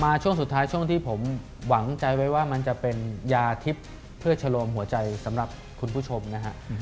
ช่วงสุดท้ายช่วงที่ผมหวังใจไว้ว่ามันจะเป็นยาทิพย์เพื่อชะโลมหัวใจสำหรับคุณผู้ชมนะฮะ